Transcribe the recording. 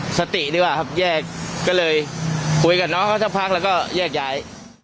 สติดีกว่าครับแยกก็เลยคุยกับน้องเขาสักพักแล้วก็แยกย้าย